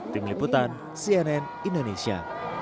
tim liputan cnn indonesia